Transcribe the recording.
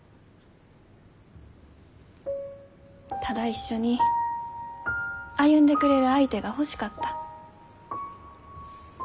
ただ一緒に歩んでくれる相手が欲しかった。